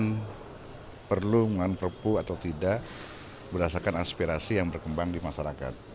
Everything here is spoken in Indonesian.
kemudian perlu mengeluarkan perpu atau tidak berdasarkan aspirasi yang berkembang di masyarakat